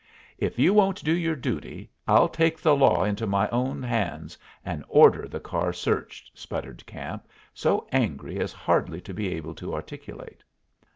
"If you won't do your duty, I'll take the law into my own hands, and order the car searched," sputtered Camp, so angry as hardly to be able to articulate.